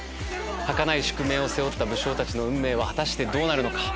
はかない宿命を背負った武将たちの運命はどうなるのか？